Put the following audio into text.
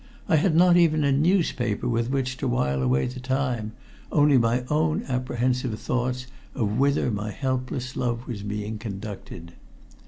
I had not even a newspaper with which to while away the time, only my own apprehensive thoughts of whither my helpless love was being conducted.